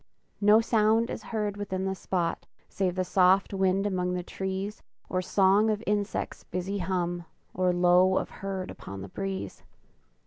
No sound is heard within the spot Save the soft wind among the trees, Or song of insect's busy hum, Or low of herd upon the breeze.